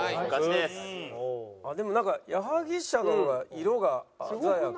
でもなんか矢作舎の方が色が鮮やか。